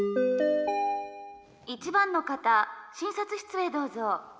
「１番の方診察室へどうぞ」。